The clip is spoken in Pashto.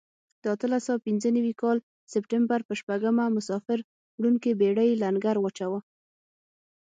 د اتلس سوه پنځه نوي کال سپټمبر په شپږمه مسافر وړونکې بېړۍ لنګر واچاوه.